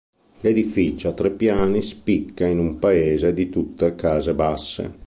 L'edificio, a tre piani, spicca in un paese di tutte case basse.